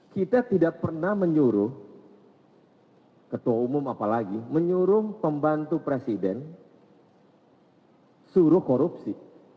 kita tidak pernah menyuruh ketua umum apalagi menyuruh pembantu presiden suruh korupsi